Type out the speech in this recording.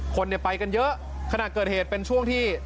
คนเนี่ยไปกันเยอะขณะเกิดเหตุเป็นช่วงที่